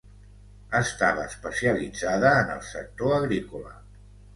Estava especialitzada en el sector agrícola.